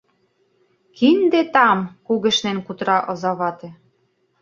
— Кинде там! — кугешнен кутыра озавате.